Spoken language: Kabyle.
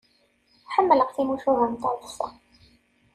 Ḥemmleɣ timucuha n taḍsa.